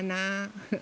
フフ。